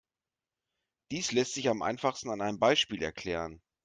Dies lässt sich am einfachsten an einem Beispiel erklären.